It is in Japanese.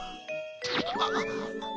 あっ。